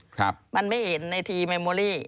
ครับมันไม่เห็นในทีเมโมลี่